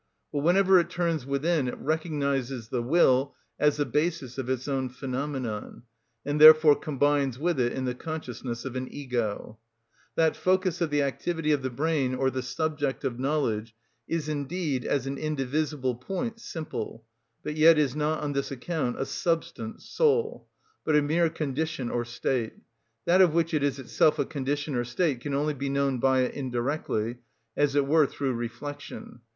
But whenever it turns within, it recognises the will as the basis of its own phenomenon, and therefore combines with it in the consciousness of an ego. That focus of the activity of the brain (or the subject of knowledge) is indeed, as an indivisible point, simple, but yet is not on this account a substance (soul), but a mere condition or state. That of which it is itself a condition or state can only be known by it indirectly, as it were through reflection.